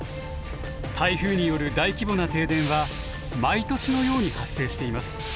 台風による大規模な停電は毎年のように発生しています。